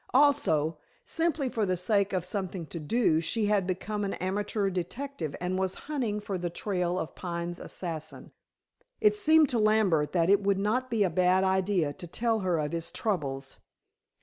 Also, simply for the sake of something to do she had become an amateur detective and was hunting for the trail of Pine's assassin. It seemed to Lambert that it would not be a bad idea to tell her of his troubles.